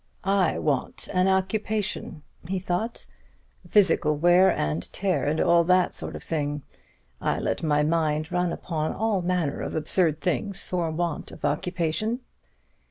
"I want occupation," he thought, "physical wear and tear, and all that sort of thing. I let my mind run upon all manner of absurd things for want of occupation."